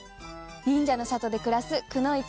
忍者の里で暮らすくノ一